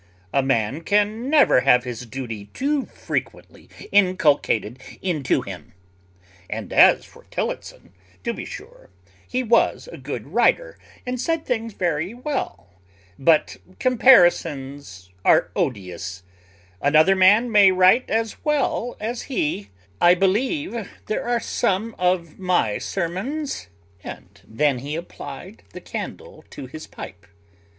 A man can never have his duty too frequently inculcated into him. And as for Tillotson, to be sure he was a good writer, and said things very well; but comparisons are odious; another man may write as well as he I believe there are some of my sermons," and then he applied the candle to his pipe.